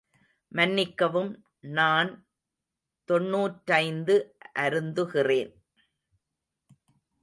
மன்னிக்கவும், நான் தொன்னூற்றைந்து அருந்துகிறேன்.